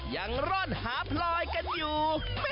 ร่อนหาพลอยกันอยู่